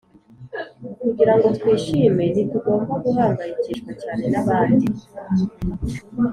“kugira ngo twishime, ntitugomba guhangayikishwa cyane n'abandi.”